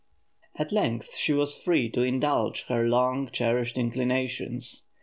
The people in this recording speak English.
II. At length she was free to indulge her long cherished inclinations.